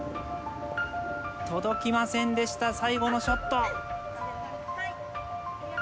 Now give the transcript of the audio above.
届きませんでした最後のショット。